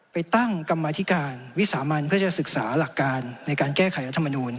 ไปตั้งกรรมธิการวิสามันเพื่อจะศึกษาหลักการในการแก้ไขรัฐมนูล